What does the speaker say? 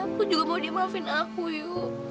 aku juga mau dia maafin aku yu